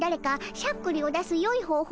しゃっくりを出す方法